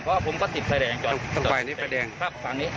เพราะผมก็ติดไฟแดงจอดที่ศูนย์